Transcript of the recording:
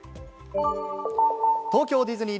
東京ディズニー